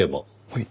はい。